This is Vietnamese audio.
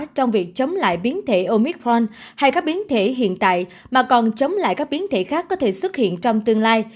trong việc chống lại biến thể omicron hay các biến thể hiện tại mà còn chống lại các biến thể khác có thể xuất hiện trong tương lai